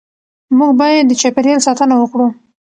موږ باید د چاپېریال ساتنه وکړو